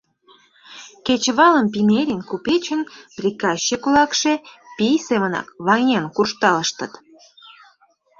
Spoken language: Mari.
Кечывалым Пинерин купечын приказчик-влакше пий семынак ваҥен куржталыштыт.